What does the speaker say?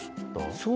そう。